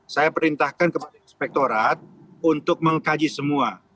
saya perintahkan kepada inspektorat untuk mengkaji semua